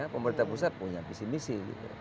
pemerintah pusat punya visi misi